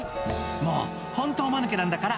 「もうホントおマヌケなんだから！」